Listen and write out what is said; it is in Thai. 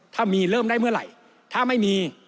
ถ้ามีเริ่มได้เมื่อไหร่ถ้าไม่มี